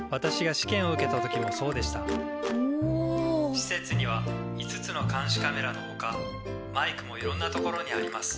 「施設には５つの監視カメラのほかマイクもいろんな所にあります」。